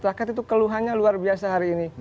rakyat itu keluhannya luar biasa hari ini